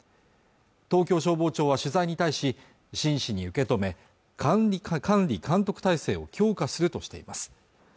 東京消防庁は取材に対し真摯に受け止め管理監督体制を強化するとしています